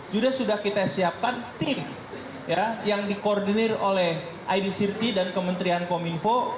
juga sudah kita siapkan tim yang dikoordinir oleh id sirti dan kementrian kominfo